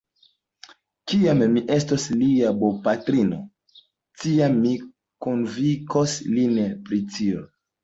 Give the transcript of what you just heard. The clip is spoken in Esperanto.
Kiam mi estos lia bopatrino, tiam mi konvinkos lin pri tio.